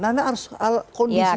nona harus lihat kondisi dunia